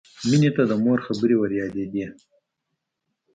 مینې ته د مور خبرې وریادېدې